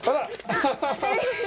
アハハハ！